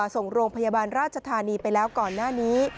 ส่งโรงพยาบาลราชธานีไปแล้วก่อนหน้านี้